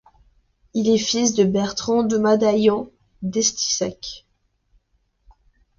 Il est fils de Bertrand de Madaillan d'Estissac.